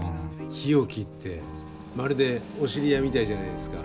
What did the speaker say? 日置ってまるでお知り合いみたいじゃないですか。